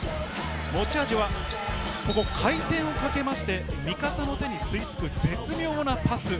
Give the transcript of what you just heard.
持ち味は回転をかけまして味方の手に吸い付く絶妙なパス！